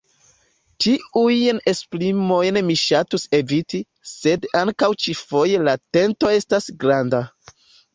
Tiujn esprimojn mi ŝatus eviti, sed ankaŭ ĉi-foje la tento estas granda.